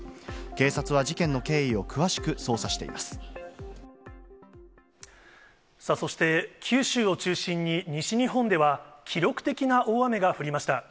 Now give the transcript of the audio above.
警察は事件の経緯を詳しそして、九州を中心に、西日本では、記録的な大雨が降りました。